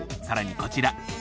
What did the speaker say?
さらにこちら。